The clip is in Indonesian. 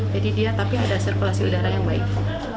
jadi dia tapi ada sirkulasi udara yang baik